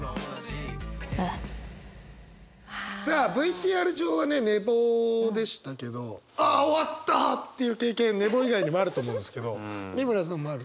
さあＶＴＲ中はね寝坊でしたけどあ終わったっていう経験寝坊以外にもあると思うんですけど美村さんもある？